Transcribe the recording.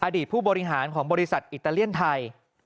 ผู้บริหารของบริษัทอิตาเลียนไทย